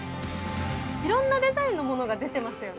いろんなデザインのものが出てますよね